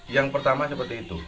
yang pertama seperti itu